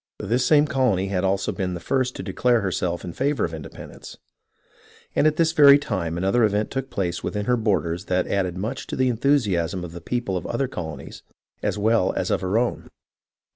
This same colony had also been the first to declare herself in favour of indepen dence, and at this very time another event took place within her borders that added much to the enthusiasm of the people of other colonies as well as of her own.